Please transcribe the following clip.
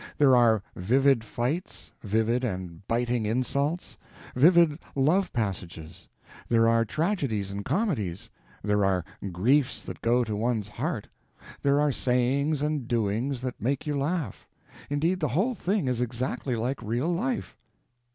There are vivid fights, vivid and biting insults, vivid love passages; there are tragedies and comedies, there are griefs that go to one's heart, there are sayings and doings that make you laugh: indeed, the whole thing is exactly like real life.